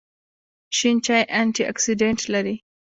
شین چای انټي اکسیډنټ لري